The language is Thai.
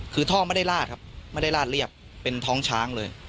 คือท่อไม่ได้ลาดครับไม่ได้ลาดเรียบเป็นท้องช้างเลย